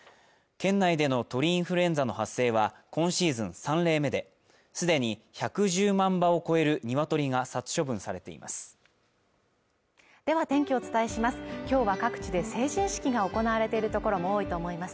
県内での鳥インフルエンザの発生は今シーズン３例目ですでに１１０万羽を超えるニワトリが殺処分されていますでは天気をお伝えします